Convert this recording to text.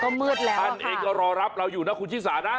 ก็หมืดแล้วค่ะท่านเอกรอรับเราอยู่นะคุณฮิสานะ